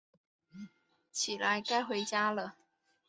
起来，该回家了